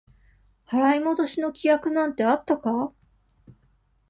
払い戻しの規約なんてあったか？